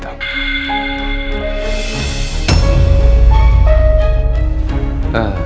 tidak ada yang bisa